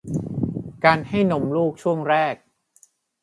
ในการให้นมลูกช่วงแรก